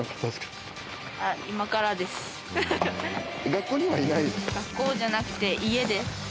学校にはいない？